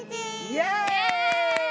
イエーイ！